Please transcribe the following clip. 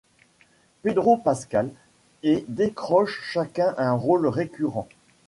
Pedro Pascal et décrochent chacun un rôle récurrent.